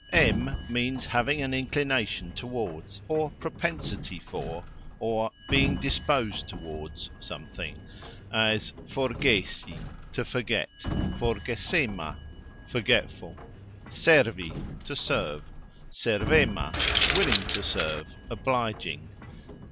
" em " means having an "inclination towards" or "propensity" for, or "being disposed towards" something as "Forgesi", to forget; "forgesema", forgetful; "Servi" to serve; "servema", willing to serve, obliging.